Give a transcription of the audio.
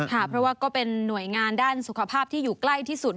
ค่ะเพราะว่าก็เป็นหน่วยงานด้านสุขภาพที่อยู่ใกล้ที่สุด